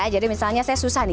jadi misalnya saya susah nih